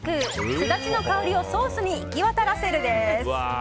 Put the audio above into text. スダチの香りをソースに行き渡らせる！です。